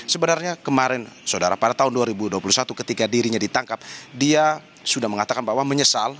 sebenarnya kemarin saudara pada tahun dua ribu dua puluh satu ketika dirinya ditangkap dia sudah mengatakan bahwa menyesal